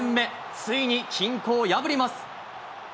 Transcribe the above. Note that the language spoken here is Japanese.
ついに均衡を破ります。